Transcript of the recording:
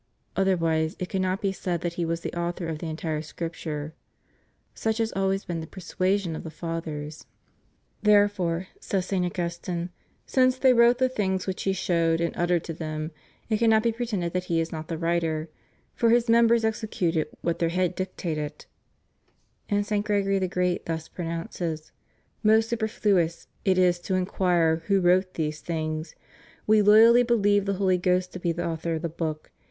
Otherwise, it could not be said that He was the Author of the entire Scripture. Such has always been the persuasion of the Fathers. "Therefore," says St. Augustine, "since they wrote the things which He showed and uttered to them, it cannot be pretended that He is not the writer; for His mem bers executed what their head dictated." ^ And St. Gregory the Great thus pronounces: "Most superfluous it is to inquire who wrote these things — we loyally believe the Holy Ghost to be the author of the Book.